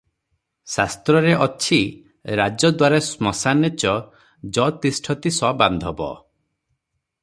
ଶାସ୍ତ୍ରରେ ଅଛି,"ରାଜଦ୍ୱାରେ ଶ୍ମଶାନେ ଚ ଯଃ ତିଷ୍ଠତି ସ ବାନ୍ଧବଃ ।